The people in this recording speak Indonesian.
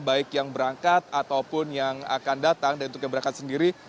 baik yang berangkat ataupun yang akan datang dan untuk yang berangkat sendiri